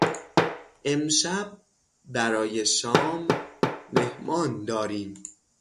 امشب برای شام مهمان داریم.